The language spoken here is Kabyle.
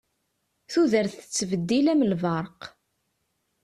Tudert tettbeddil am lberq.